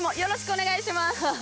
お願いします！